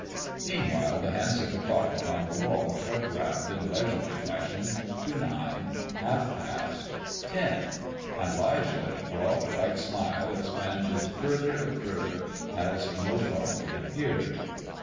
Meanwhile the hands of the clock upon the wall crept round in leisurely fashion to nine, half past, ten; and 'Lijah's broad, white smile expanded further and further as no Farley appeared.